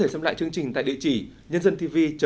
hẹn gặp lại các bạn trong những video tiếp theo